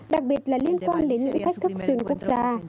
đặc biệt là liên quan đến những thách thức xuyên quốc gia